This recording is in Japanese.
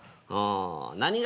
何が？